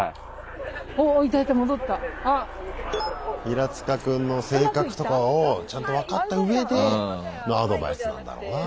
ヒラツカ君の性格とかをちゃんと分かったうえでのアドバイスなんだろうな。